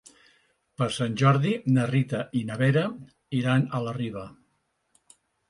Per Sant Jordi na Rita i na Vera iran a la Riba.